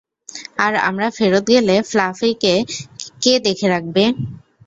আর আমরা ফেরত গেলে ফ্লাফিকে কে দেখে রাখবে?